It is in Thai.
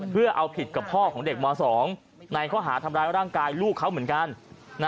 เพื่อเอาผิดกับพ่อของเด็กม๒ในข้อหาทำร้ายร่างกายลูกเขาเหมือนกัน